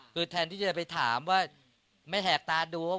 คือแทนที่จะไปถามว่าไม่แหกตาดู